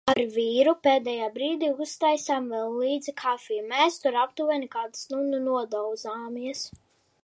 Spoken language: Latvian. Ar vīru pēdējā brīdī uztaisām vēl līdzi kafiju. Mēs tur aptuveni kādu stundu nodauzāmies.